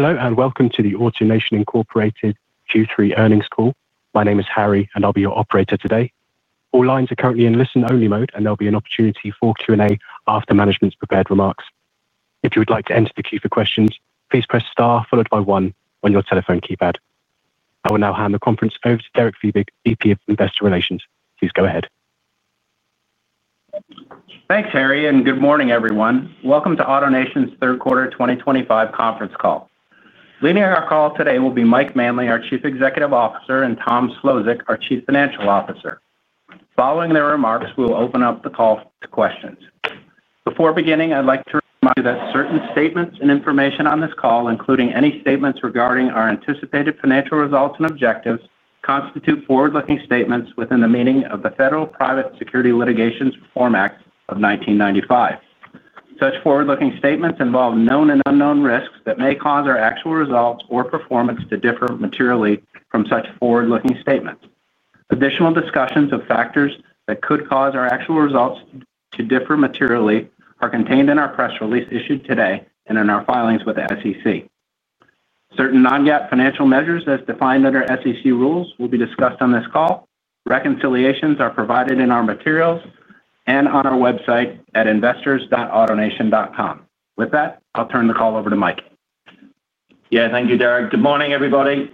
Hello and welcome to the AutoNation, Inc Q3 earnings call. My name is Harry, and I'll be your operator today. All lines are currently in listen-only mode, and there will be an opportunity for Q&A after management's prepared remarks. If you would like to enter the queue for questions, please press star followed by one on your telephone keypad. I will now hand the conference over to Derek Fiebig, Vice President of Investor Relations. Please go ahead. Thanks, Harry, and good morning, everyone. Welcome to AutoNation's third quarter 2025 conference call. Leading our call today will be Mike Manley, our Chief Executive Officer, and Tom Szlosek, our Chief Financial Officer. Following their remarks, we'll open up the call to questions. Before beginning, I'd like to remind you that certain statements and information on this call, including any statements regarding our anticipated financial results and objectives, constitute forward-looking statements within the meaning of the Federal Private Securities Litigation Reform Act of 1995. Such forward-looking statements involve known and unknown risks that may cause our actual results or performance to differ materially from such forward-looking statements. Additional discussions of factors that could cause our actual results to differ materially are contained in our press release issued today and in our filings with the SEC. Certain non-GAAP financial measures, as defined under SEC rules, will be discussed on this call. Reconciliations are provided in our materials and on our website at investors.autonation.com. With that, I'll turn the call over to Mike. Yeah, thank you, Derek. Good morning, everybody.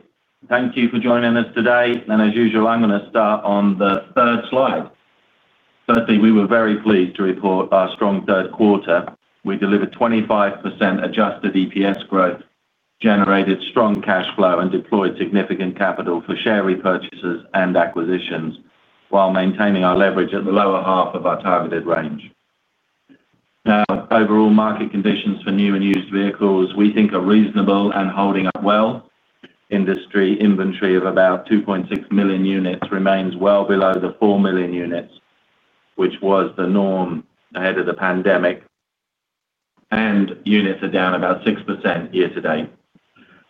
Thank you for joining us today. As usual, I'm going to start on the third slide. Firstly, we were very pleased to report our strong third quarter. We delivered 25% adjusted EPS growth, generated strong cash flow, and deployed significant capital for share repurchases and acquisitions while maintaining our leverage at the lower half of our targeted range. Overall market conditions for new and used vehicles we think are reasonable and holding up well. Industry inventory of about 2.6 million units remains well below the 4 million units, which was the norm ahead of the pandemic, and units are down about 6% year-to-date.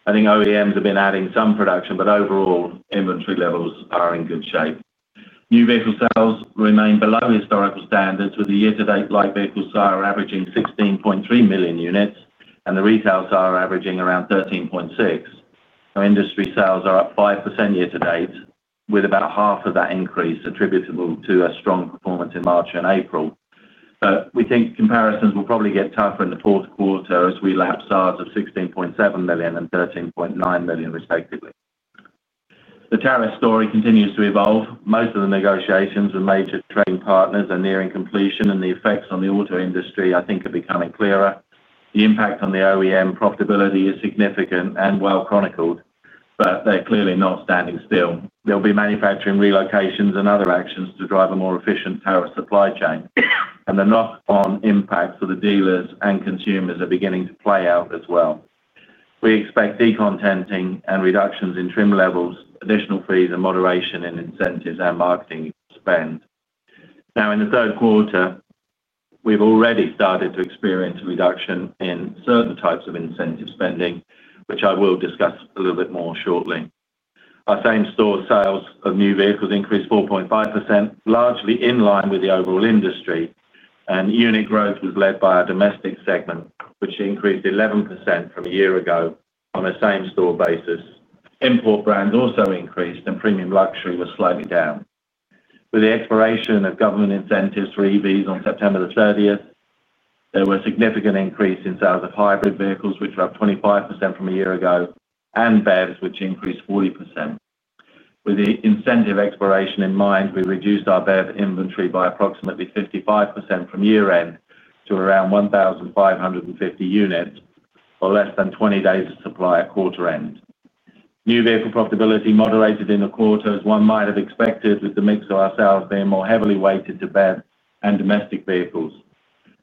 I think OEMs have been adding some production, but overall inventory levels are in good shape. New vehicle sales remain below historical standards, with the year-to-date light vehicle sale averaging 16.3 million units, and the retail sale averaging around 13.6. Our industry sales are up 5% year-to-date, with about 1/2 of that increase attributable to a strong performance in March and April. We think comparisons will probably get tougher in the fourth quarter as we lapse sales of 16.7 million and 13.9 million, respectively. The tariff story continues to evolve. Most of the negotiations with major trade partners are nearing completion, and the effects on the auto industry, I think, are becoming clearer. The impact on the OEM profitability is significant and well chronicled, but they're clearly not standing still. There will be manufacturing relocations and other actions to drive a more efficient tariff supply chain, and the knock-on impacts for the dealers and consumers are beginning to play out as well. We expect decontenting and reductions in trim levels, additional fees, and moderation in incentives and marketing spend. In the third quarter, we've already started to experience a reduction in certain types of incentive spending, which I will discuss a little bit more shortly. Our same-store sales of new vehicles increased 4.5%, largely in line with the overall industry, and unit growth was led by our domestic segment, which increased 11% from a year ago on a same-store basis. Import brands also increased, and premium luxury was slightly down. With the expiration of government incentives for EVs on September 30th, there was a significant increase in sales of hybrid vehicles, which were up 25% from a year ago, and BEVs, which increased 40%. With the incentive expiration in mind, we reduced our BEV inventory by approximately 55% from year-end to around 1,550 units or less than 20 days of supply at quarter-end. New vehicle profitability moderated in the quarter as one might have expected, with the mix of our sales being more heavily weighted to BEV and domestic vehicles.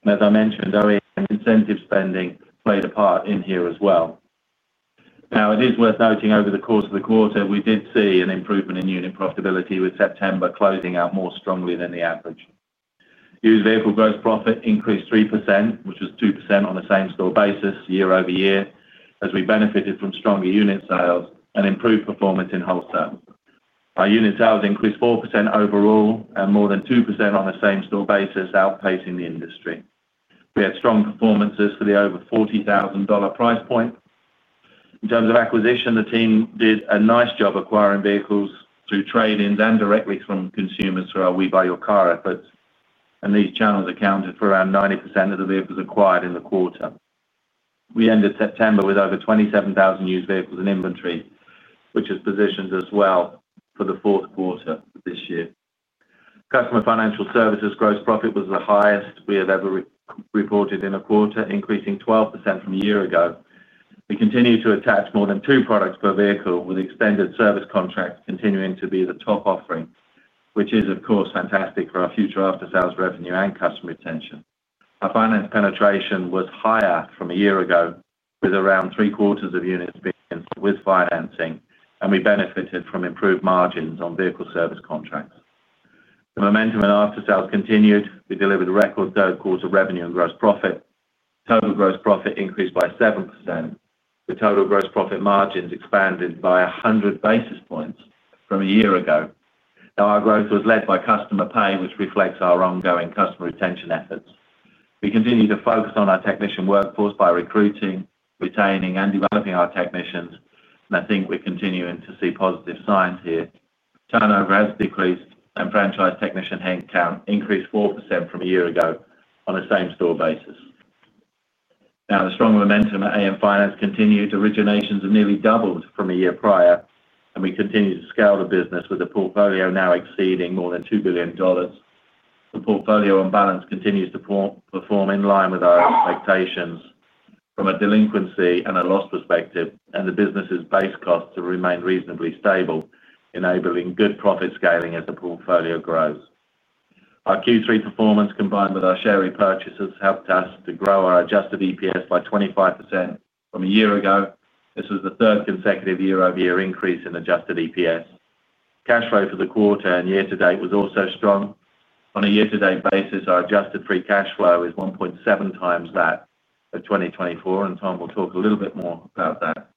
As I mentioned, OEM incentive spending played a part in here as well. It is worth noting over the course of the quarter, we did see an improvement in unit profitability, with September closing out more strongly than the average. Used vehicle gross profit increased 3%, which was 2% on a same-store basis year-over-year, as we benefited from stronger unit sales and improved performance in wholesale. Our unit sales increased 4% overall and more than 2% on a same-store basis, outpacing the industry. We had strong performances for the over $40,000 price point. In terms of acquisition, the team did a nice job acquiring vehicles through trade-ins and directly from consumers through our We Buy Your Car efforts, and these channels accounted for around 90% of the vehicles acquired in the quarter. We ended September with over 27,000 used vehicles in inventory, which is positioned as well for the fourth quarter of this year. Customer financial services gross profit was the highest we have ever reported in a quarter, increasing 12% from a year ago. We continue to attach more than two products per vehicle, with extended service contracts continuing to be the top offering, which is, of course, fantastic for our future aftersales revenue and customer retention. Our finance penetration was higher from a year ago, with around three-quarters of units being installed with financing, and we benefited from improved margins on vehicle service contracts. The momentum in aftersales continued. We delivered record third-quarter revenue and gross profit. Total gross profit increased by 7%. The total gross profit margins expanded by 100 basis points from a year ago. Our growth was led by customer pay, which reflects our ongoing customer retention efforts. We continue to focus on our technician workforce by recruiting, retaining, and developing our technicians, and I think we're continuing to see positive signs here. Turnover has decreased, and franchise technician headcount increased 4% from a year ago on a same-store basis. The strong momentum in finance continued. Originations have nearly doubled from a year prior, and we continue to scale the business, with the portfolio now exceeding more than $2 billion. The portfolio on balance continues to perform in line with our expectations from a delinquency and a loss perspective, and the business's base costs have remained reasonably stable, enabling good profit scaling as the portfolio grows. Our Q3 performance, combined with our share repurchases, helped us to grow our adjusted EPS by 25% from a year ago. This was the third consecutive year-over-year increase in adjusted EPS. Cash flow for the quarter and year-to-date was also strong. On a year-to-date basis, our adjusted free cash flow is 1.7x that of 2023, and Tom will talk a little bit more about that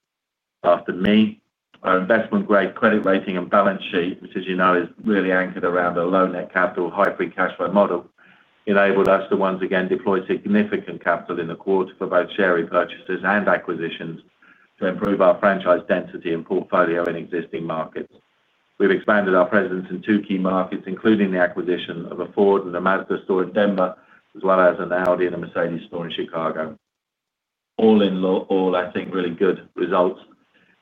after me. Our investment-grade credit rating and balance sheet, which, as you know, is really anchored around a low net capital, high free cash flow model, enabled us to once again deploy significant capital in the quarter for both share repurchases and acquisitions to improve our franchise density and portfolio in existing markets. We've expanded our presence in two key markets, including the acquisition of a Ford and a Mazda store in Denver, as well as an Audi and a Mercedes store in Chicago. All in all, I think really good results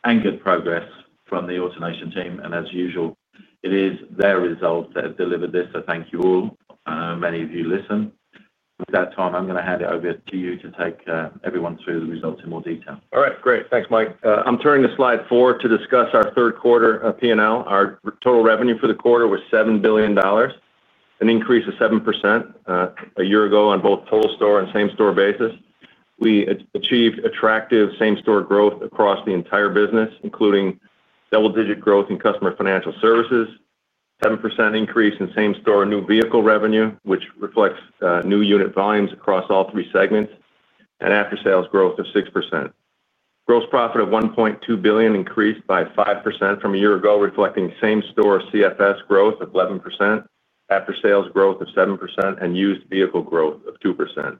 and good progress from the AutoNation team, and as usual, it is their results that have delivered this, so thank you all, many of you listening. With that, Tom, I'm going to hand it over to you to take everyone through the results in more detail. All right. Great. Thanks, Mike. I'm turning to slide four to discuss our third quarter P&L. Our total revenue for the quarter was $7 billion, an increase of 7% a year ago on both total store and same-store basis. We achieved attractive same-store growth across the entire business, including double-digit growth in customer financial services, a 7% increase in same-store new vehicle revenue, which reflects new unit volumes across all three segments, and aftersales growth of 6%. Gross profit of $1.2 billion increased by 5% from a year ago, reflecting same-store CFS growth of 11%, aftersales growth of 7%, and used vehicle growth of 2%.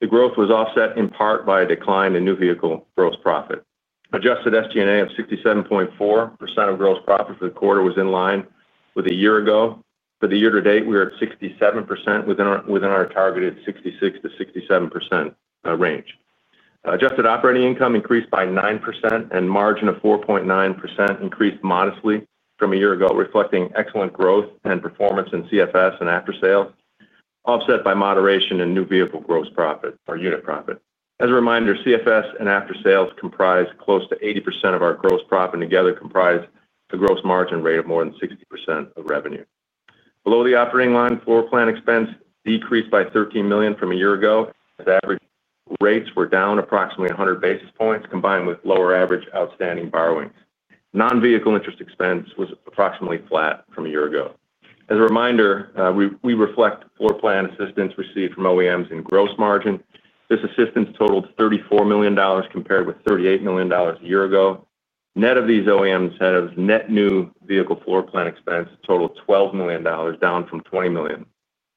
The growth was offset in part by a decline in new vehicle gross profit. Adjusted SG&A of 67.4% of gross profit for the quarter was in line with a year ago. For the year-to-date, we are at 67% within our targeted 66%-67% range. Adjusted operating income increased by 9%, and margin of 4.9% increased modestly from a year ago, reflecting excellent growth and performance in CFS and aftersales, offset by moderation in new vehicle gross profit or unit profit. As a reminder, CFS and aftersales comprise close to 80% of our gross profit and together comprise a gross margin rate of more than 60% of revenue. Below the operating line, floor plan expense decreased by $13 million from a year ago. The average rates were down approximately 100 basis points, combined with lower average outstanding borrowings. Non-vehicle interest expense was approximately flat from a year ago. As a reminder, we reflect floor plan assistance received from OEMs in gross margin. This assistance totaled $34 million compared with $38 million a year ago. Net of these, OEMs had a net new vehicle floor plan expense total of $12 million, down from $20 million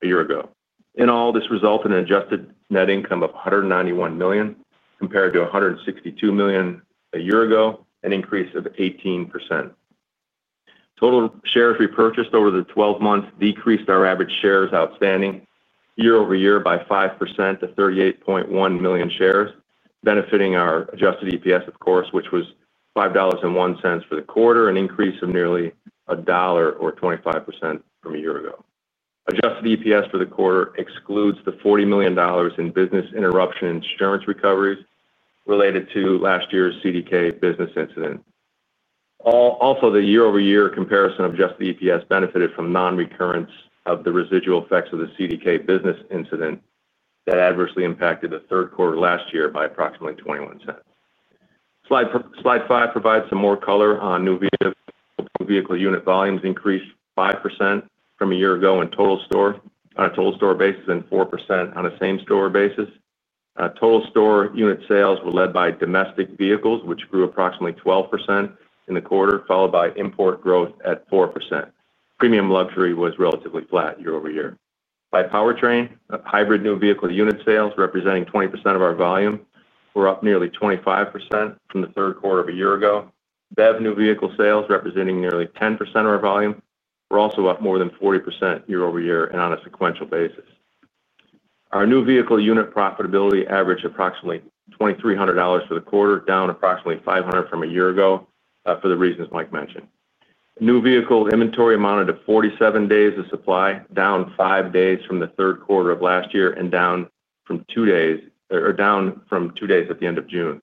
a year ago. In all, this resulted in an adjusted net income of $191 million compared to $162 million a year ago, an increase of 18%. Total shares repurchased over the 12 months decreased our average shares outstanding year-over-year by 5% to 38.1 million shares, benefiting our adjusted EPS, of course, which was $5.01 for the quarter, an increase of nearly $1.25 from a year ago. Adjusted EPS for the quarter excludes the $40 million in business interruption insurance recoveries related to last year's CDK business incident. Also, the year-over-year comparison of just the EPS benefited from non-recurrence of the residual effects of the CDK business incident that adversely impacted the third quarter last year by approximately $0.21. Slide five provides some more color on new vehicle unit volumes increased 5% from a year ago in total store on a total store basis and 4% on a same-store basis. Total store unit sales were led by domestic vehicles, which grew approximately 12% in the quarter, followed by import growth at 4%. Premium luxury was relatively flat year-over-year. By powertrain, hybrid new vehicle unit sales representing 20% of our volume were up nearly 25% from the third quarter of a year ago. BEV new vehicle sales representing nearly 10% of our volume were also up more than 40% year over year and on a sequential basis. Our new vehicle unit profitability averaged approximately $2,300 for the quarter, down approximately $500 from a year ago for the reasons Mike mentioned. New vehicle inventory amounted to 47 days of supply, down five days from the third quarter of last year, and down from two days at the end of June.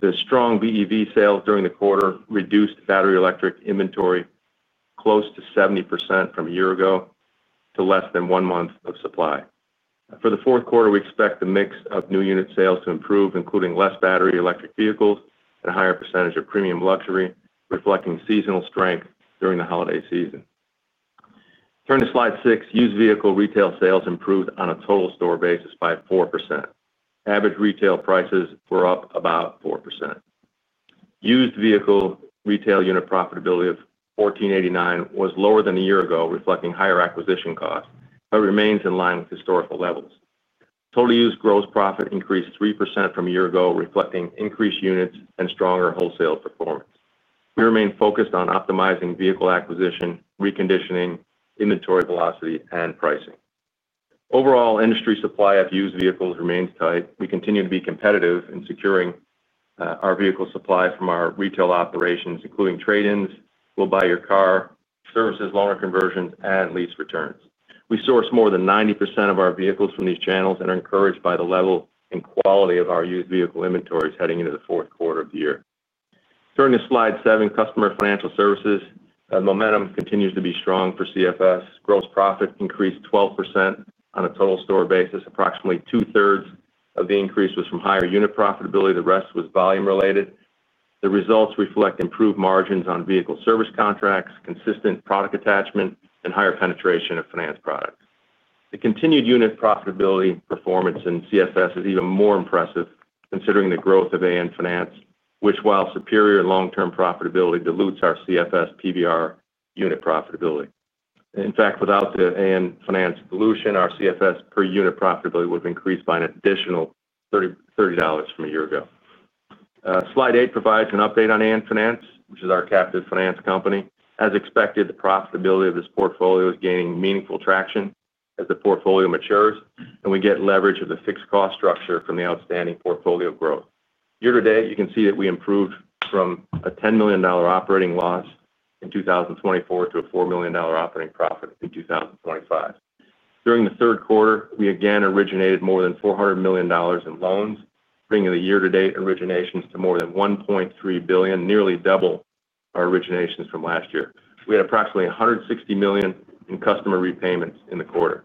The strong BEV sales during the quarter reduced battery electric inventory close to 70% from a year ago to less than one month of supply. For the fourth quarter, we expect the mix of new unit sales to improve, including less battery electric vehicles and a higher percentage of premium luxury, reflecting seasonal strength during the holiday season. Turn to Slide 6. Used vehicle retail sales improved on a total store basis by 4%. Average retail prices were up about 4%. Used vehicle retail unit profitability of $1,489 was lower than a year ago, reflecting higher acquisition costs, but remains in line with historical levels. Total used gross profit increased 3% from a year ago, reflecting increased units and stronger wholesale performance. We remain focused on optimizing vehicle acquisition, reconditioning, inventory velocity, and pricing. Overall, industry supply of used vehicles remains tight. We continue to be competitive in securing our vehicle supply from our retail operations, including trade-ins, We Buy Your Car services, loaner conversions, and lease returns. We source more than 90% of our vehicles from these channels and are encouraged by the level and quality of our used vehicle inventories heading into the fourth quarter of the year. Turning to Slide 7, customer financial services. The momentum continues to be strong for CFS. Gross profit increased 12% on a total store basis. Approximately 2/3 of the increase was from higher unit profitability. The rest was volume-related. The results reflect improved margins on vehicle service contracts, consistent product attachment, and higher penetration of finance products. The continued unit profitability performance in CFS is even more impressive considering the growth of AN Finance, which, while superior in long-term profitability, dilutes our CFS PBR unit profitability. In fact, without the AN Finance dilution, our CFS per unit profitability would have increased by an additional $30 from a year ago. Slide eight provides an update on AN Finance, which is our captive finance company. As expected, the profitability of this portfolio is gaining meaningful traction as the portfolio matures, and we get leverage of the fixed cost structure from the outstanding portfolio growth. Year to date, you can see that we improved from a $10 million operating loss in 2024 to a $4 million operating profit in 2025. During the third quarter, we again originated more than $400 million in loans, bringing the year-to-date originations to more than $1.3 billion, nearly double our originations from last year. We had approximately $160 million in customer repayments in the quarter.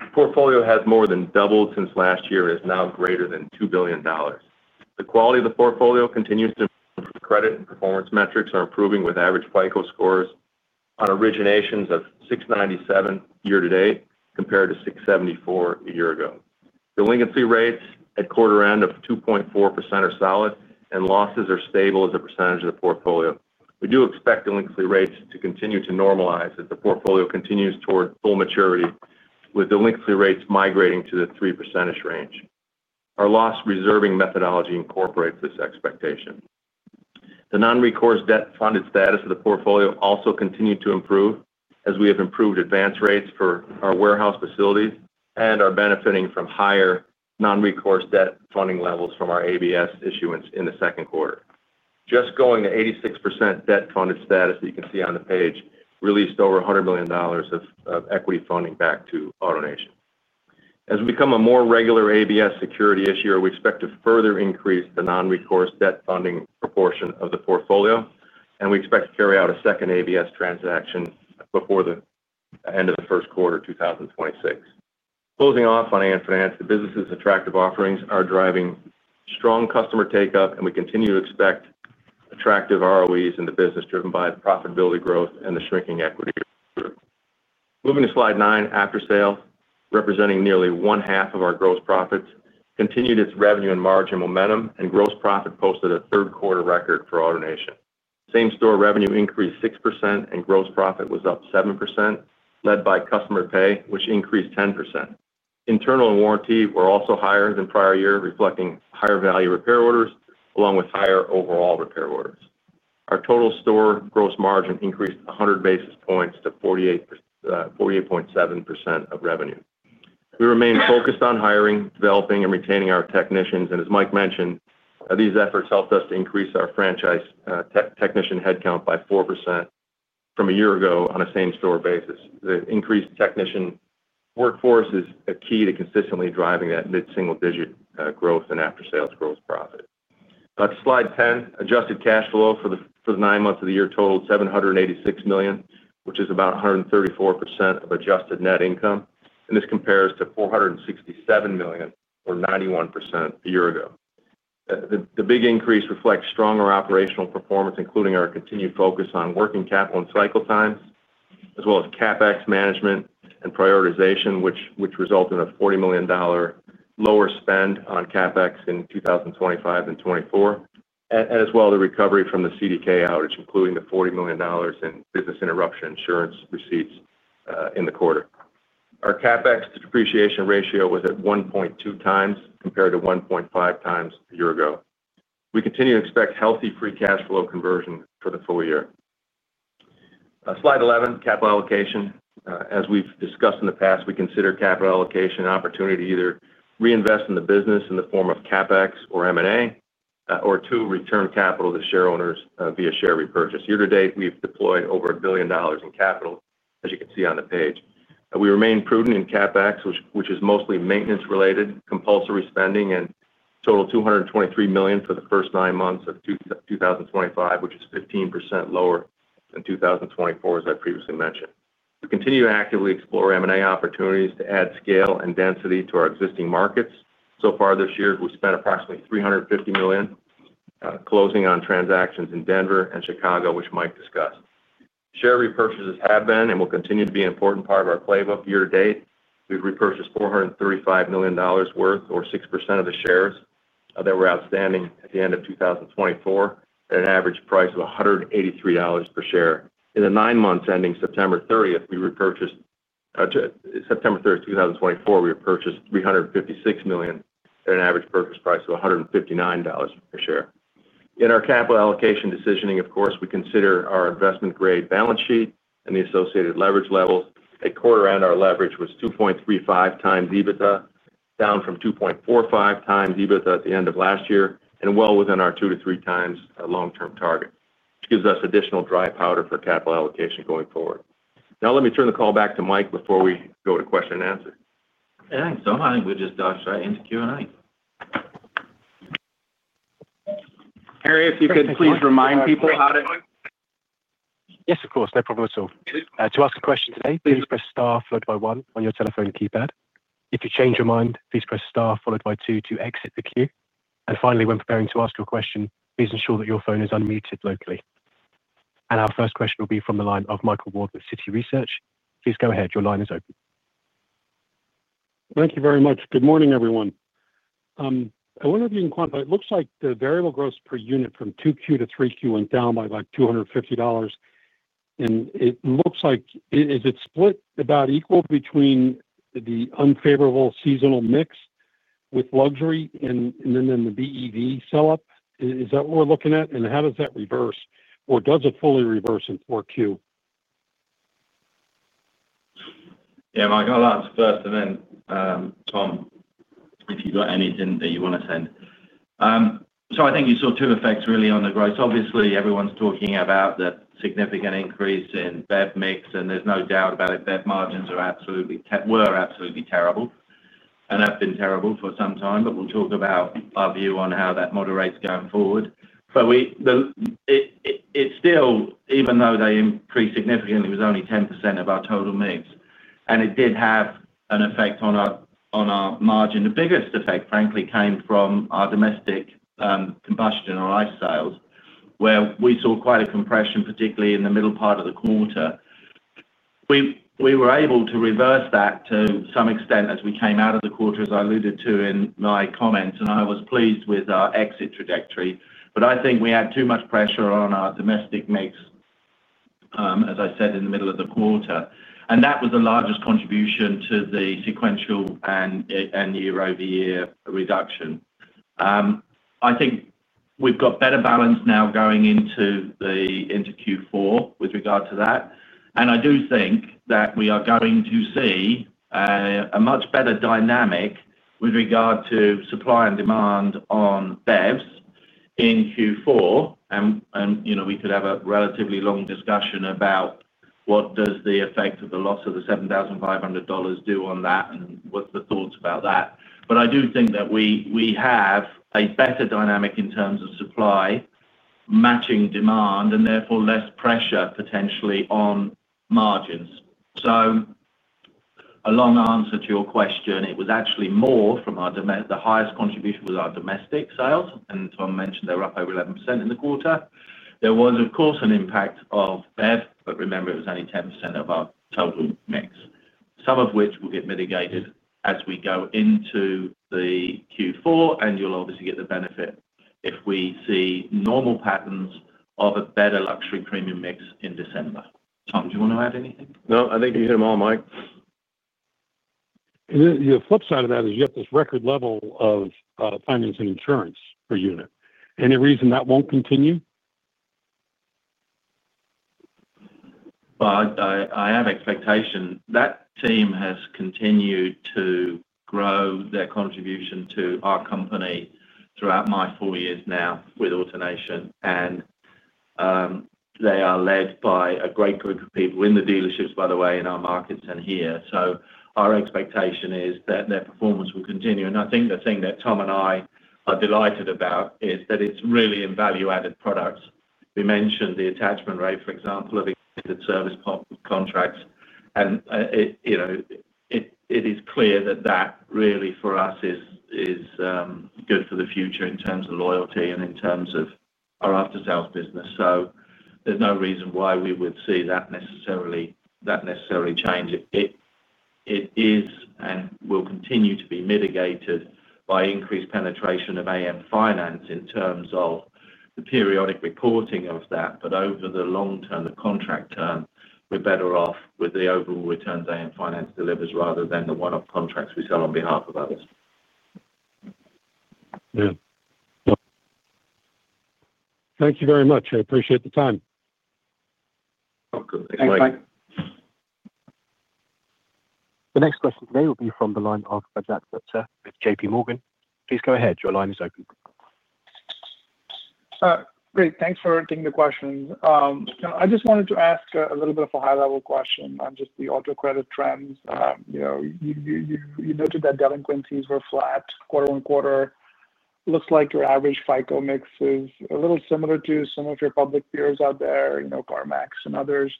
The portfolio has more than doubled since last year and is now greater than $2 billion. The quality of the portfolio continues to improve. Credit performance metrics are improving with average FICO scores on originations of 697 year-to-date compared to 674 a year ago. Delinquency rates at quarter-end of 2.4% are solid, and losses are stable as a percentage of the portfolio. We do expect delinquency rates to continue to normalize as the portfolio continues toward full maturity, with delinquency rates migrating to the 3% range. Our loss reserving methodology incorporates this expectation. The non-recourse debt-funded status of the portfolio also continued to improve as we have improved advance rates for our warehouse facilities and are benefiting from higher non-recourse debt funding levels from our ABS issuance in the second quarter. Just going to 86% debt-funded status that you can see on the page released over $100 million of equity funding back to AutoNation. As we become a more regular ABS security issuer, we expect to further increase the non-recourse debt funding proportion of the portfolio, and we expect to carry out a second ABS transaction before the end of the first quarter of 2026. Closing off on AN Finance, the business's attractive offerings are driving strong customer take-up, and we continue to expect attractive ROEs in the business driven by profitability growth and the shrinking equity growth. Moving to Slide 9, aftersales representing nearly one-half of our gross profits continued its revenue and margin momentum, and gross profit posted a third-quarter record for AutoNation. Same-store revenue increased 6%, and gross profit was up 7%, led by customer pay, which increased 10%. Internal and warranty were also higher than prior year, reflecting higher value repair orders along with higher overall repair orders. Our total store gross margin increased 100 basis points to 48.7% of revenue. We remain focused on hiring, developing, and retaining our technicians, and as Mike mentioned, these efforts helped us to increase our franchise technician headcount by 4% from a year ago on a same-store basis. The increased technician workforce is a key to consistently driving that mid-single-digit growth and aftersales gross profit. On to Slide 10, adjusted cash flow for the nine months of the year totaled $786 million, which is about 134% of adjusted net income, and this compares to $467 million or 91% a year ago. The big increase reflects stronger operational performance, including our continued focus on working capital and cycle times, as well as CapEx management and prioritization, which resulted in a $40 million lower spend on CapEx in 2025 and 2024, as well as the recovery from the CDK outage, including the $40 million in business interruption insurance receipts in the quarter. Our CapEx to depreciation ratio was at 1.2x compared to 1.5x a year ago. We continue to expect healthy free cash flow conversion for the full-year. Slide 11, capital allocation. As we've discussed in the past, we consider capital allocation an opportunity to either reinvest in the business in the form of CapEx or M&A, or to return capital to shareholders via share repurchase. Year-to-date, we've deployed over $1 billion in capital, as you can see on the page. We remain prudent in CapEx, which is mostly maintenance-related compulsory spending and totaled $223 million for the first nine months of 2025, which is 15% lower than 2024, as I previously mentioned. We continue to actively explore M&A opportunities to add scale and density to our existing markets. This year, we spent approximately $350 million closing on transactions in Denver and Chicago, which Mike discussed. Share repurchases have been and will continue to be an important part of our playbook year-to-date. We've repurchased $435 million worth, or 6% of the shares that were outstanding at the end of 2024, at an average price of $183 per share. In the nine months ending September 30, 2024, we repurchased $356 million at an average purchase price of $159 per share. In our capital allocation decisioning, of course, we consider our investment-grade balance sheet and the associated leverage levels. At quarter-end, our leverage was 2.35x EBITDA, down from 2.45x EBITDA at the end of last year, and well within our two to three times long-term target, which gives us additional dry powder for capital allocation going forward. Now, let me turn the call back to Mike before we go to question and answer. Yeah, I think so. I think we'll just dive straight into Q&A. Harry, if you could please remind people how to. Yes, of course. No problem at all. To ask a question today, please press star followed by one on your telephone keypad. If you change your mind, please press star followed by two to exit the queue. Finally, when preparing to ask your question, please ensure that your phone is unmuted locally. Our first question will be from the line of Michael Ward with Citi Research. Please go ahead. Your line is open. Thank you very much. Good morning, everyone. I wonder if you can quantify, it looks like the variable gross per unit from 2Q to 3Q went down by about $250. It looks like it is split about equal between the unfavorable seasonal mix with luxury and the BEV sell-up. Is that what we're looking at? How does that reverse, or does it fully reverse in 4Q? Yeah, Mike, I'll answer first and then, Tom, if you've got anything that you want to send. I think you saw two effects really on the growth. Obviously, everyone's talking about the significant increase in BEV mix, and there's no doubt about it. BEV margins were absolutely terrible and have been terrible for some time, but we'll talk about our view on how that moderates going forward. Even though they increased significantly, it was only 10% of our total mix, and it did have an effect on our margin. The biggest effect, frankly, came from our domestic combustion and our ICE sales, where we saw quite a compression, particularly in the middle part of the quarter. We were able to reverse that to some extent as we came out of the quarter, as I alluded to in my comments, and I was pleased with our exit trajectory. I think we had too much pressure on our domestic mix, as I said, in the middle of the quarter. That was the largest contribution to the sequential and year-over-year reduction. I think we've got better balance now going into Q4 with regard to that. I do think that we are going to see a much better dynamic with regard to supply and demand on BEVs in Q4. You know we could have a relatively long discussion about what does the effect of the loss of the $7,500 do on that and what's the thoughts about that. I do think that we have a better dynamic in terms of supply matching demand and therefore less pressure potentially on margins. A long answer to your question, it was actually more from our domestic sales. The highest contribution was our domestic sales, and Tom mentioned they were up over 11% in the quarter. There was, of course, an impact of BEV, but remember, it was only 10% of our total mix, some of which will get mitigated as we go into Q4. You'll obviously get the benefit if we see normal patterns of a better luxury premium mix in December. Tom, do you want to add anything? No, I think you hit them all, Mike. The flip side of that is you have this record level of finance and insurance per unit. Any reason that won't continue? I have expectations. That team has continued to grow their contribution to our company throughout my four years now with AutoNation, and they are led by a great group of people in the dealerships, by the way, in our markets and here. Our expectation is that their performance will continue. I think the thing that Tom and I are delighted about is that it's really in value-added products. We mentioned the attachment rate, for example, of extended service contracts. You know it is clear that that really, for us, is good for the future in terms of loyalty and in terms of our aftersales business. There's no reason why we would see that necessarily change. It is and will continue to be mitigated by increased penetration of AN Finance in terms of the periodic reporting of that. Over the long-term, the contract term, we're better off with the overall returns AN Finance delivers rather than the one-off contracts we sell on behalf of others. Thank you very much. I appreciate the time. You're welcome. Thanks, Mike. The next question today will be from the line of Rajat Gupta with JPMorgan. Please go ahead. Your line is open. Great. Thanks for taking the questions. I just wanted to ask a little bit of a high-level question on just the auto credit trends. You noted that delinquencies were flat quarter on quarter. Looks like your average FICO mix is a little similar to some of your public peers out there, you know, CarMax and others.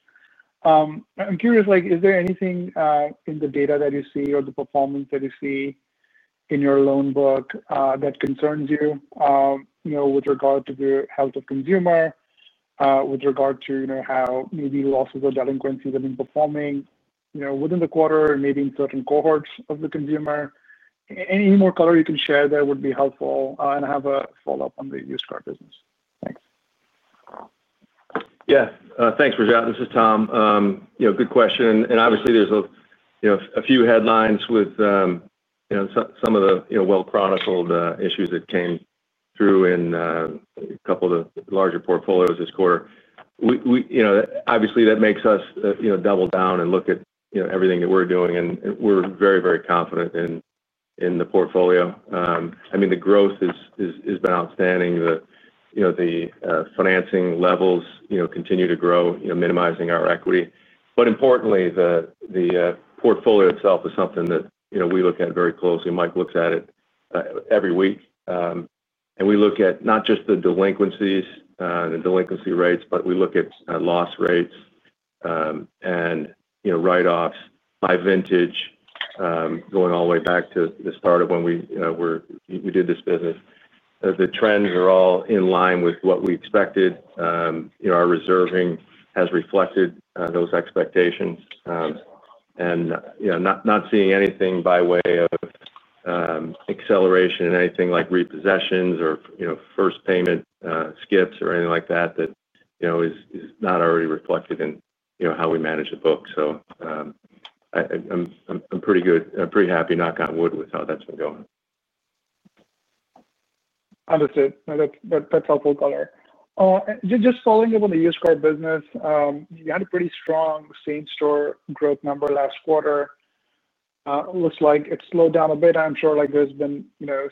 I'm curious, like is there anything in the data that you see or the performance that you see in your loan book that concerns you with regard to the health of consumer, with regard to how maybe losses or delinquencies have been performing within the quarter and maybe in certain cohorts of the consumer? Any more color you can share there would be helpful. I have a follow-up on the used car business. Thanks. Yeah. Thanks, Rajat. This is Tom. Good question. Obviously, there's a few headlines with some of the well-chronicled issues that came through in a couple of the larger portfolios this quarter. That makes us double down and look at everything that we're doing, and we're very, very confident in the portfolio. I mean, the growth has been outstanding. The financing levels continue to grow, minimizing our equity. Importantly, the portfolio itself is something that we look at very closely. Mike looks at it every week. We look at not just the delinquencies and the delinquency rates, but we look at loss rates and write-offs by vintage, going all the way back to the start of when we did this business. The trends are all in line with what we expected. Our reserving has reflected those expectations. Not seeing anything by way of acceleration in anything like repossessions or first payment skips or anything like that that is not already reflected in how we manage the book. I'm pretty good. I'm pretty happy, knock on wood, with how that's been going. Understood. That's helpful color. Just following up on the used car business, you had a pretty strong same-store growth number last quarter. Looks like it slowed down a bit. I'm sure there's been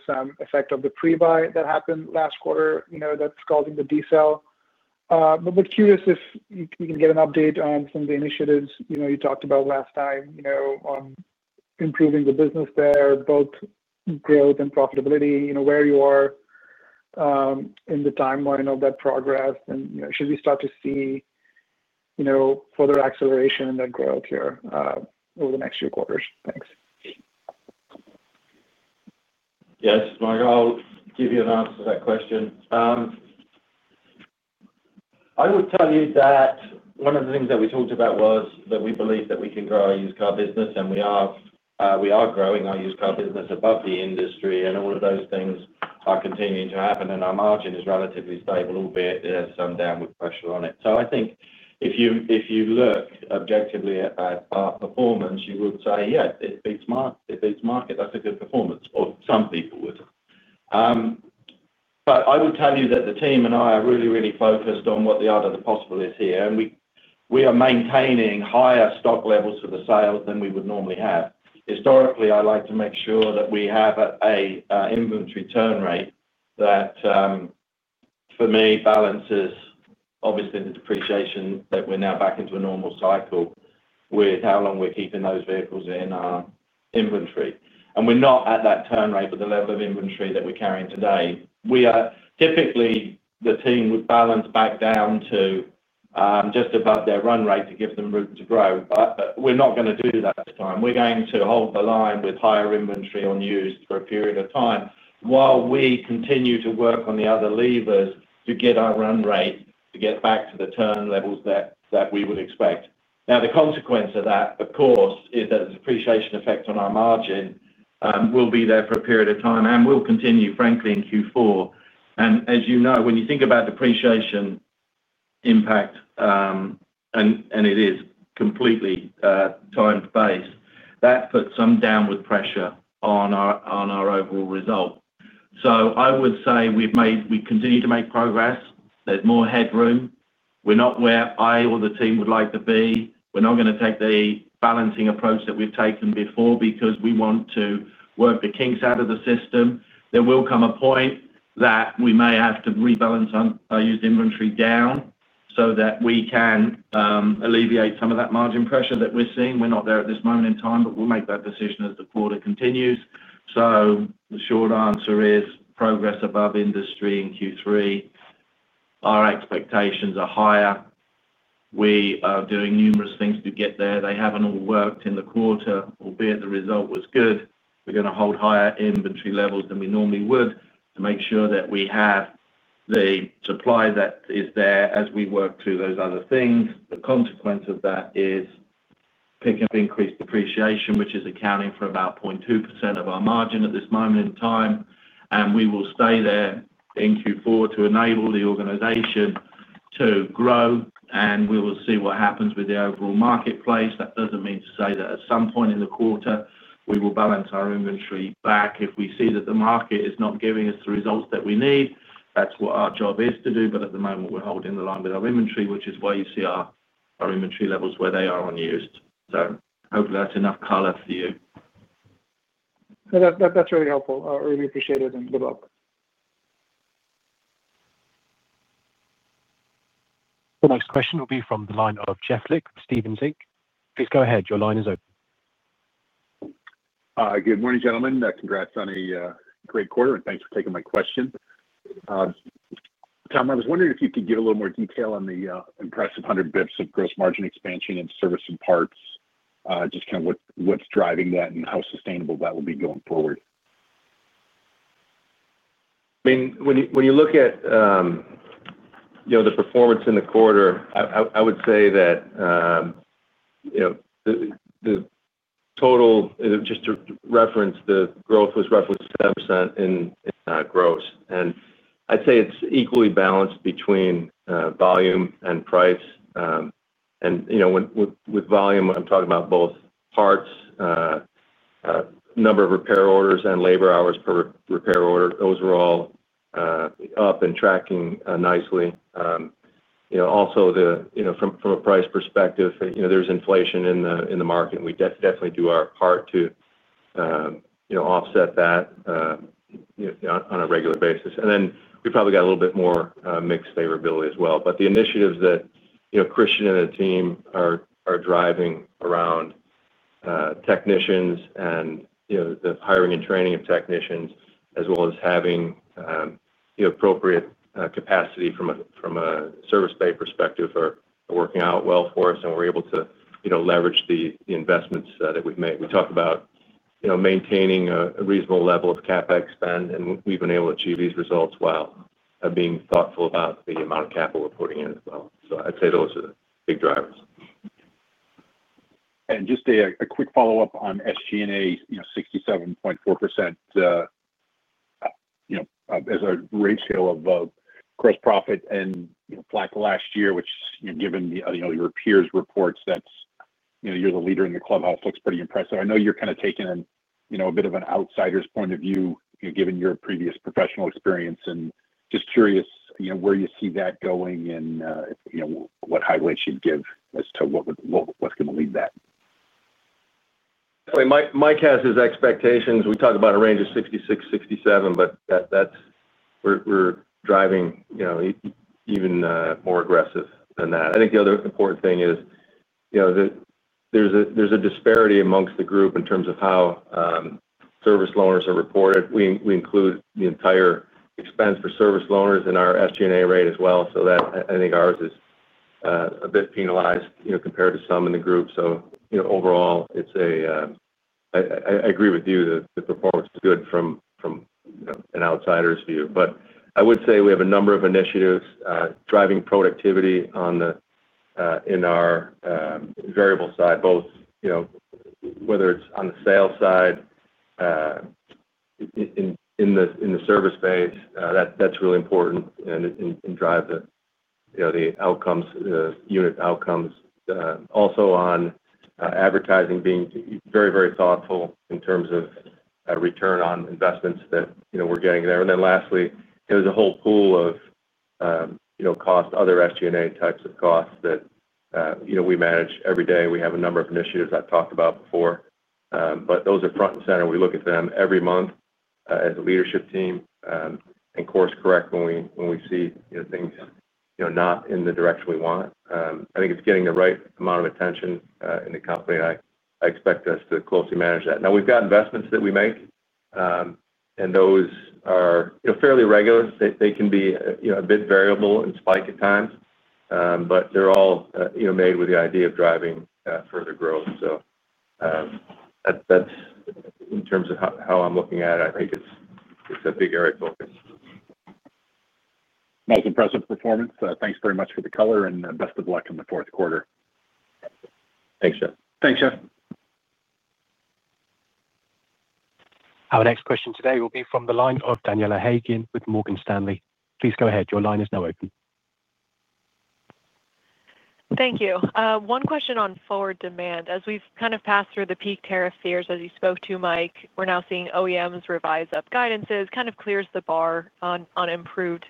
some effect of the pre-buy that happened last quarter that's causing the decel. We're curious if you can get an update on some of the initiatives you talked about last time on improving the business there, both growth and profitability, where you are in the timeline of that progress. Should we start to see further acceleration in that growth here over the next few quarters? Thanks. Yes, Mike, I'll give you an answer to that question. I would tell you that one of the things that we talked about was that we believe that we can grow our used car business, and we are growing our used car business above the industry. All of those things are continuing to happen, and our margin is relatively stable, albeit there's some downward pressure on it. I think if you look objectively at our performance, you would say, "Yes, it beats market. It beats market. That's a good performance," or some people would. I would tell you that the team and I are really, really focused on what the art of the possible is here. We are maintaining higher stock levels for the sales than we would normally have. Historically, I like to make sure that we have an inventory turn rate that, for me, balances, obviously, the depreciation that we're now back into a normal cycle with how long we're keeping those vehicles in our inventory. We're not at that turn rate with the level of inventory that we're carrying today. Typically, the team would balance back down to just above their run rate to give them room to grow. We're not going to do that this time. We're going to hold the line with higher inventory on used for a period of time while we continue to work on the other levers to get our run rate to get back to the turn levels that we would expect. The consequence of that, of course, is that the depreciation effect on our margin will be there for a period of time and will continue, frankly, in Q4. As you know, when you think about depreciation impact, and it is completely time-based, that puts some downward pressure on our overall result. I would say we continue to make progress. There's more headroom. We're not where I or the team would like to be. We're not going to take the balancing approach that we've taken before because we want to work the kinks out of the system. There will come a point that we may have to rebalance our used inventory down so that we can alleviate some of that margin pressure that we're seeing. We're not there at this moment in time, but we'll make that decision as the quarter continues. The short answer is progress above industry in Q3. Our expectations are higher. We are doing numerous things to get there. They haven't all worked in the quarter, albeit the result was good. We are going to hold higher inventory levels than we normally would to make sure that we have the supply that is there as we work through those other things. The consequence of that is picking up increased depreciation, which is accounting for about 0.2% of our margin at this moment in time. We will stay there in Q4 to enable the organization to grow, and we will see what happens with the overall marketplace. That does not mean to say that at some point in the quarter we will balance our inventory back if we see that the market is not giving us the results that we need. That is what our job is to do. At the moment, we are holding the line with our inventory, which is why you see our inventory levels where they are on used. Hopefully, that is enough color for you. That's really helpful. I really appreciate it, and good luck. The next question will be from the line of Jeff Lick from Stephens. Please go ahead. Your line is open. Good morning, gentlemen. Congrats on a great quarter, and thanks for taking my question. Tom, I was wondering if you could give a little more detail on the impressive 100 bps of gross margin expansion in service and parts, just kind of what's driving that and how sustainable that will be going forward. I mean, when you look at the performance in the quarter, I would say that the total, just to reference, the growth was roughly 7% in gross. I'd say it's equally balanced between volume and price. You know with volume, I'm talking about both parts, number of repair orders, and labor hours per repair order. Those were all up and tracking nicely. Also, from a price perspective, you know there's inflation in the market, and we definitely do our part to offset that on a regular basis. We probably got a little bit more mixed favorability as well. The initiatives that Christian and the team are driving around technicians and the hiring and training of technicians, as well as having appropriate capacity from a service pay perspective, are working out well for us, and we're able to leverage the investments that we've made. We talk about maintaining a reasonable level of CapEx spend, and we've been able to achieve these results while being thoughtful about the amount of capital we're putting in as well. I'd say those are the big drivers. Just a quick follow-up on SG&A, 67.4% as a ratio of gross profit and flat the last year, which, given your peers' reports, means you're the leader in the clubhouse, looks pretty impressive. I know you're kind of taking a bit of an outsider's point of view, given your previous professional experience, and just curious where you see that going and what highway you'd give as to what's going to lead that. I mean, Mike has his expectations. We talk about a range of 66%, 67%, but that's we're driving, you know, even more aggressive than that. I think the other important thing is, you know, that there's a disparity amongst the group in terms of how service loaners are reported. We include the entire expense for service loaners in our SG&A rate as well. I think ours is a bit penalized compared to some in the group. Overall, I agree with you, the performance is good from an outsider's view. I would say we have a number of initiatives driving productivity in our variable side, both, you know, whether it's on the sales side or in the service space, that's really important and drives the unit outcomes. Also, on advertising, being very, very thoughtful in terms of return on investments that we're getting there. Lastly, there's a whole pool of cost, other SG&A types of costs that we manage every day. We have a number of initiatives I've talked about before, but those are front and center. We look at them every month as a leadership team and course-correct when we see things not in the direction we want. I think it's getting the right amount of attention in the company, and I expect us to closely manage that. We've got investments that we make, and those are fairly regular. They can be a bit variable and spike at times, but they're all made with the idea of driving further growth. In terms of how I'm looking at it, I think it's a big area of focus. Nice, impressive performance. Thanks very much for the color, and best of luck in the fourth quarter. Thanks, Jeff. Thanks, Jeff. Our next question today will be from the line of Daniela Haigian with Morgan Stanley. Please go ahead. Your line is now open. Thank you. One question on forward demand. As we've kind of passed through the peak tariff fears, as you spoke to, Mike, we're now seeing OEMs revise up guidances, which kind of clears the bar on improved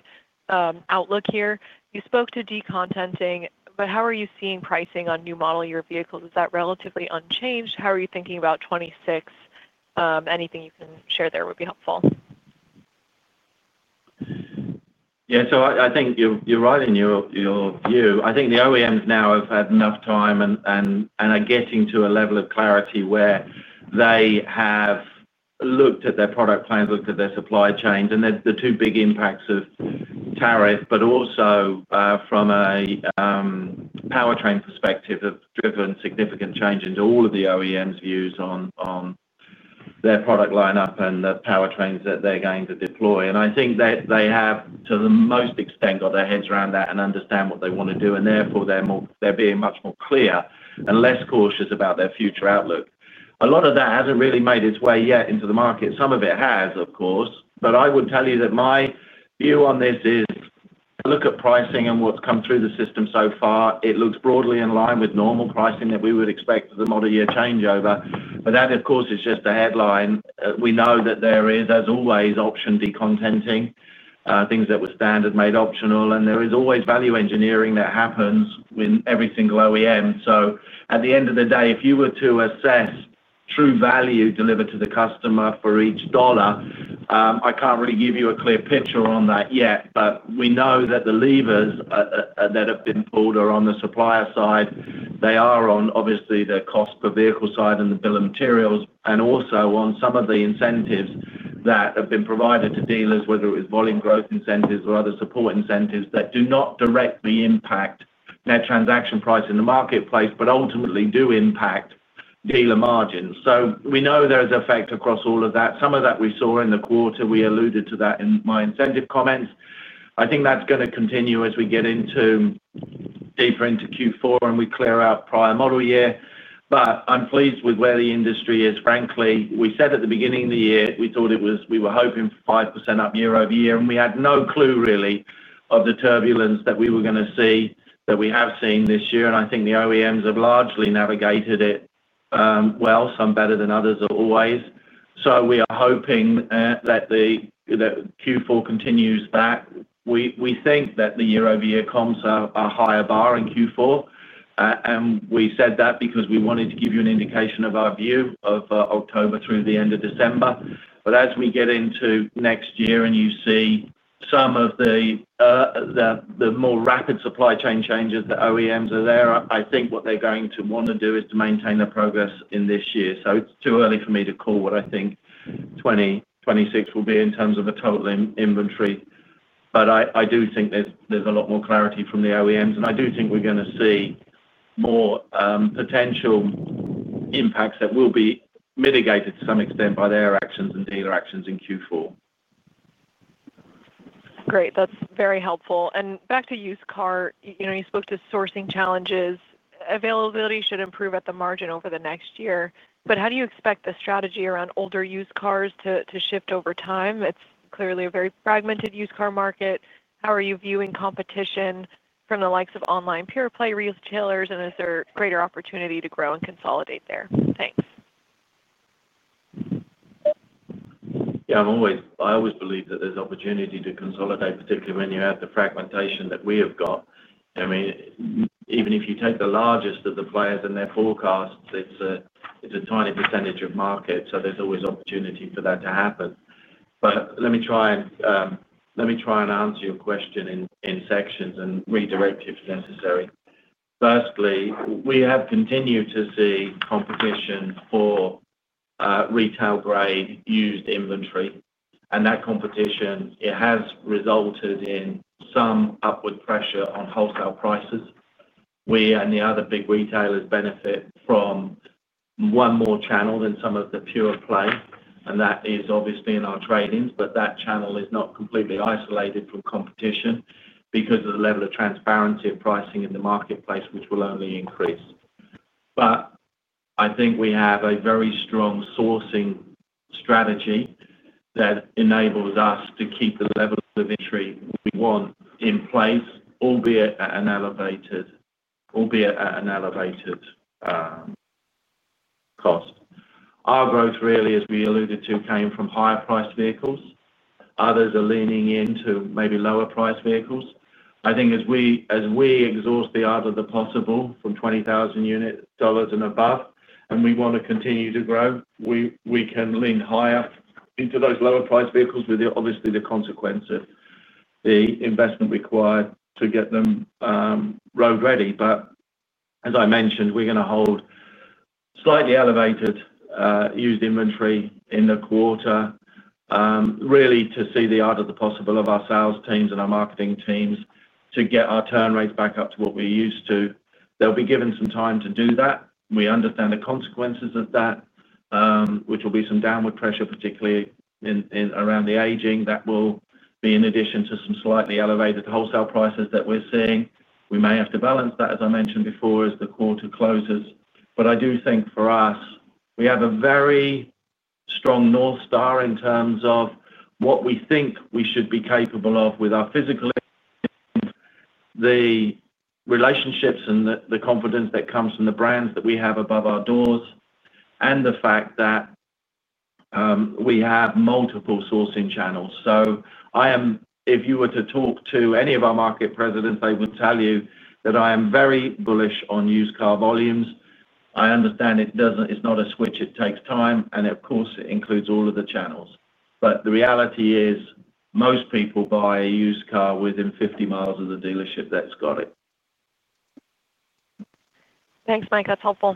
outlook here. You spoke to decontenting, but how are you seeing pricing on new model year vehicles? Is that relatively unchanged? How are you thinking about 2026? Anything you can share there would be helpful. Yeah. I think you're right in your view. I think the OEMs now have had enough time and are getting to a level of clarity where they have looked at their product plans, looked at their supply chains, and they're the two big impacts of tariff. Also, from a powertrain perspective, they've driven significant change into all of the OEMs' views on their product lineup and the powertrains that they're going to deploy. I think that they have, to the most extent, got their heads around that and understand what they want to do. Therefore, they're being much more clear and less cautious about their future outlook. A lot of that hasn't really made its way yet into the market. Some of it has, of course, but I would tell you that my view on this is I look at pricing and what's come through the system so far. It looks broadly in line with normal pricing that we would expect for the model year changeover. That, of course, is just a headline. We know that there is, as always, option decontenting, things that were standard made optional, and there is always value engineering that happens in every single OEM. At the end of the day, if you were to assess true value delivered to the customer for each dollar, I can't really give you a clear picture on that yet. We know that the levers that have been pulled are on the supplier side. They are on, obviously, the cost per vehicle side and the bill of materials, and also on some of the incentives that have been provided to dealers, whether it was volume growth incentives or other support incentives that do not directly impact net transaction price in the marketplace, but ultimately do impact dealer margins. We know there is effect across all of that. Some of that we saw in the quarter. We alluded to that in my incentive comments. I think that's going to continue as we get deeper into Q4 and we clear out prior model year. I'm pleased with where the industry is, frankly. We said at the beginning of the year, we thought we were hoping for 5% up year-over-year, and we had no clue, really, of the turbulence that we were going to see that we have seen this year. I think the OEMs have largely navigated it well, some better than others always. We are hoping that Q4 continues that. We think that the year-over-year comps are a higher bar in Q4. We said that because we wanted to give you an indication of our view of October through the end of December. As we get into next year and you see some of the more rapid supply chain changes that OEMs are there, I think what they're going to want to do is to maintain their progress in this year. It's too early for me to call what I think 2026 will be in terms of a total inventory. I do think there's a lot more clarity from the OEMs, and I do think we're going to see more potential impacts that will be mitigated to some extent by their actions and dealer actions in Q4. Great. That's very helpful. Back to used car, you spoke to sourcing challenges. Availability should improve at the margin over the next year. How do you expect the strategy around older used cars to shift over time? It's clearly a very fragmented used car market. How are you viewing competition from the likes of online pure-play retailers, and is there greater opportunity to grow and consolidate there? Thanks. Yeah, I always believe that there's opportunity to consolidate, particularly when you add the fragmentation that we have got. I mean, even if you take the largest of the players and their forecasts, it's a tiny percentage of market. There's always opportunity for that to happen. Let me try and answer your question in sections and redirect you if necessary. Firstly, we have continued to see competition for retail-grade used inventory, and that competition has resulted in some upward pressure on wholesale prices. We and the other big retailers benefit from one more channel than some of the pure play, and that is obviously in our trade-ins. That channel is not completely isolated from competition because of the level of transparency of pricing in the marketplace, which will only increase. I think we have a very strong sourcing strategy that enables us to keep the level of inventory we want in place, albeit at an elevated cost. Our growth, really, as we alluded to, came from higher-priced vehicles. Others are leaning into maybe lower-priced vehicles. I think as we exhaust the art of the possible from $20,000 unit dollars and above, and we want to continue to grow, we can lean higher into those lower-priced vehicles with, obviously, the consequence of the investment required to get them road ready. As I mentioned, we're going to hold slightly elevated used inventory in the quarter, really to see the art of the possible of our sales teams and our marketing teams to get our turn rates back up to what we're used to. They'll be given some time to do that. We understand the consequences of that, which will be some downward pressure, particularly around the aging. That will be in addition to some slightly elevated wholesale prices that we're seeing. We may have to balance that, as I mentioned before, as the quarter closes. I do think for us, we have a very strong North Star in terms of what we think we should be capable of with our physical, the relationships, and the confidence that comes from the brands that we have above our doors, and the fact that we have multiple sourcing channels. If you were to talk to any of our market presidents, they would tell you that I am very bullish on used car volumes. I understand it doesn't, it's not a switch. It takes time, and of course, it includes all of the channels. The reality is most people buy a used car within 50 miles of the dealership that's got it. Thanks, Mike. That's helpful.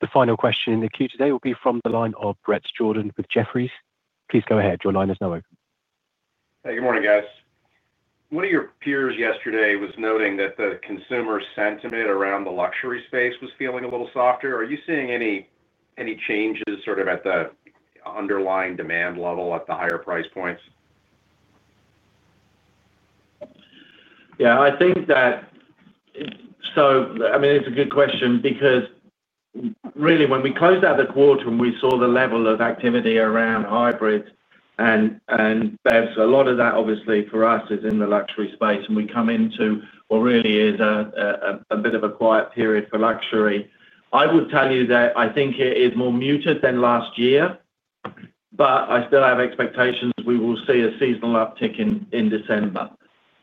The final question in the queue today will be from the line of Bret Jordan with Jefferies. Please go ahead. Your line is now open. Hey, good morning, guys. One of your peers yesterday was noting that the consumer sentiment around the luxury space was feeling a little softer. Are you seeing any changes at the underlying demand level at the higher price points? Yeah, I think that, it's a good question because really, when we closed out the quarter and we saw the level of activity around hybrids and BEVs, a lot of that, obviously, for us is in the luxury space. We come into what really is a bit of a quiet period for luxury. I would tell you that I think it is more muted than last year, but I still have expectations we will see a seasonal uptick in December.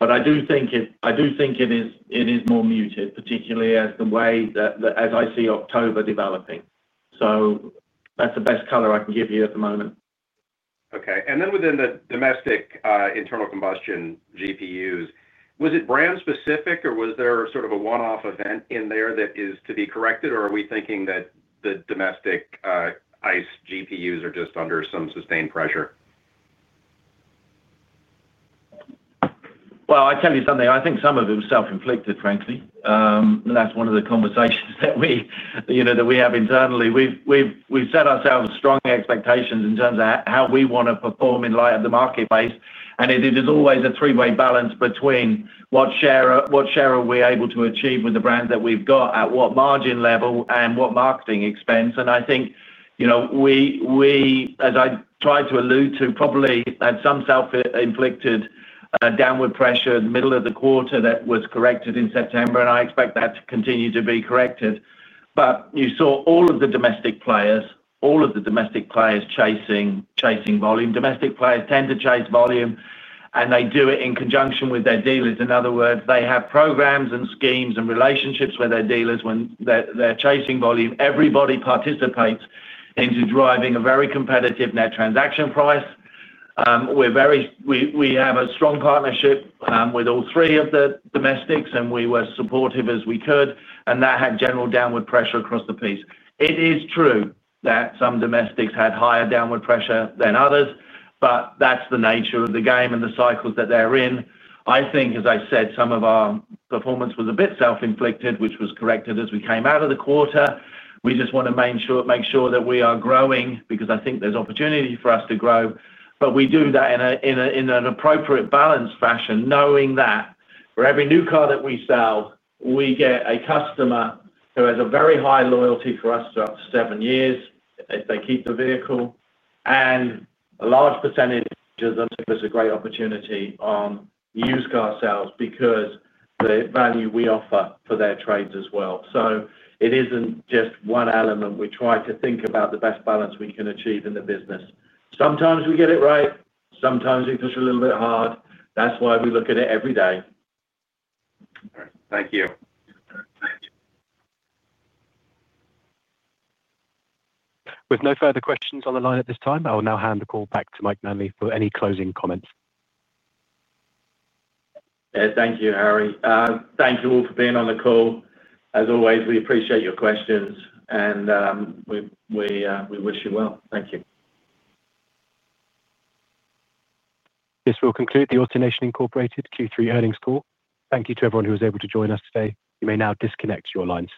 I do think it is more muted, particularly as the way that, as I see October developing. That's the best color I can give you at the moment. Okay. Within the domestic internal combustion GPUs, was it brand-specific, or was there sort of a one-off event in there that is to be corrected, or are we thinking that the domestic ICE GPUs are just under some sustained pressure? I think some of them are self-inflicted, frankly. That is one of the conversations that we have internally. We've set ourselves strong expectations in terms of how we want to perform in light of the marketplace. It is always a three-way balance between what share we are able to achieve with the brands that we've got, at what margin level, and what marketing expense. I think, as I tried to allude to, we probably had some self-inflicted downward pressure in the middle of the quarter that was corrected in September, and I expect that to continue to be corrected. You saw all of the domestic players, all of the domestic players chasing volume. Domestic players tend to chase volume, and they do it in conjunction with their dealers. In other words, they have programs and schemes and relationships with their dealers when they're chasing volume. Everybody participates in driving a very competitive net transaction price. We have a strong partnership with all three of the domestics, and we were as supportive as we could, and that had general downward pressure across the piece. It is true that some domestics had higher downward pressure than others, but that's the nature of the game and the cycles that they're in. I think, as I said, some of our performance was a bit self-inflicted, which was corrected as we came out of the quarter. We just want to make sure that we are growing because I think there's opportunity for us to grow. We do that in an appropriate balanced fashion, knowing that for every new car that we sell, we get a customer who has a very high loyalty for us for up to seven years. They keep the vehicle, and a large percentage of them took us a great opportunity on used car sales because of the value we offer for their trades as well. It isn't just one element. We try to think about the best balance we can achieve in the business. Sometimes we get it right. Sometimes we push a little bit hard. That is why we look at it every day. All right. Thank you. With no further questions on the line at this time, I will now hand the call back to Mike Manley for any closing comments. Thank you, Harry. Thank you all for being on the call. As always, we appreciate your questions, and we wish you well. Thank you. This will conclude the AutoNation Q3 earnings call. Thank you to everyone who was able to join us today. You may now disconnect your lines.